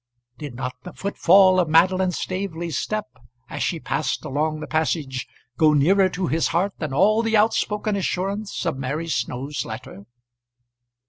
Did not the footfall of Madeline Staveley's step as she passed along the passage go nearer to his heart than all the outspoken assurance of Mary Snow's letter?